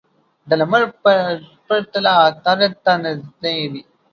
د لمر په پرتله عطارد ته نژدې دي.